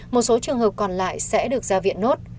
một số trường hợp còn lại sẽ được ra viện nốt